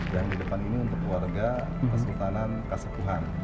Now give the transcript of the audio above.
yang di depan ini untuk keluarga kesultanan kasepuhan